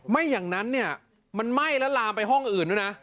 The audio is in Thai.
ไม่อย่างนั้นเนี่ยมันไหม้แล้วลามไปห้องอื่นด้วยนะ